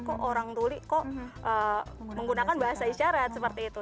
kok orang tuli kok menggunakan bahasa isyarat seperti itu